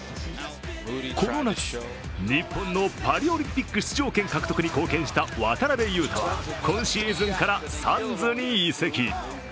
この夏、日本のパリオリンピック出場権獲得に貢献した渡邊雄太は今シーズンからサンズに移籍。